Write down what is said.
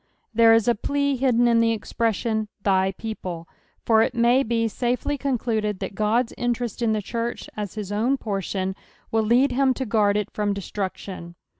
There is a plea hidden in tbo expression, " thy people:" for it ma^ be safel;^ concluded that Ood's interest in the church, as his own portion, will lead him to guard it from destruction.